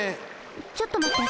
ちょっとまって。